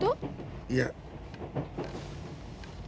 いや。